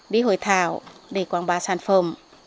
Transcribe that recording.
đi hội thảo để quảng bá sản phẩm